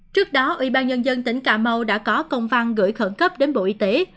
trước đó ubnd tỉnh cà mau đã có công văn gửi khẩn cấp đến bộ y tế